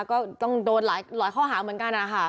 ก็ต้องโดนหลายข้อหาเหมือนกันนะคะ